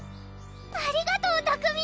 ありがとう拓海！